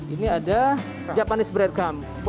ini ada japanese breadcrumbs